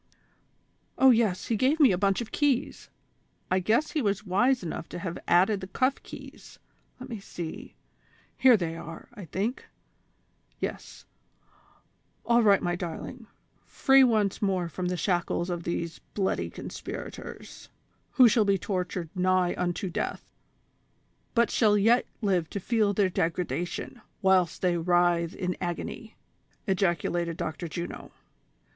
" Oh, yes ; he gave me a bunch of keys ; I guess he was wise enough to have added the cuff keys ; let me see ; here 232 THE SOCIAL WAR OF 1900; OR, they are, I think ; yes, all right my darling, free once more from the shackles of these bloody conspirators^ who shall be tortured nigh unto death, but sliall yet live to feel their degradation, whilst they writhe in agony," ejaculated Dr. Juno.